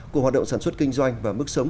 của hoạt động sản xuất kinh doanh và mức sống